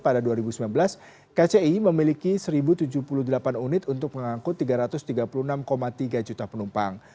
pada dua ribu sembilan belas kci memiliki satu tujuh puluh delapan unit untuk mengangkut tiga ratus tiga puluh enam tiga juta penumpang